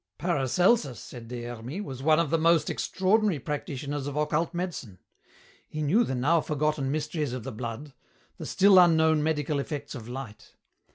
"Paracelsus," said Des Hermies, "was one of the most extraordinary practitioners of occult medicine. He knew the now forgotten mysteries of the blood, the still unknown medical effects of light.